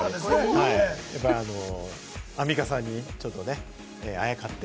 やっぱり、あの、アンミカさんにね、あやかって。